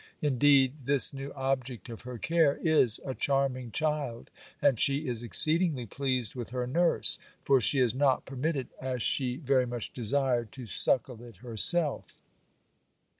Indeed this new object of her care is a charming child; and she is exceedingly pleased with her nurse; for she is not permitted, as she very much desired, to suckle it herself.